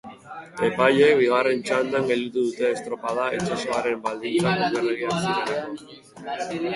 Epaileek bigarren txandan gelditu dute estropada itsasoaren baldintzak okerregiak zirelako.